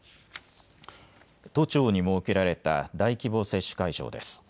都庁に設けられた大規模接種会場です。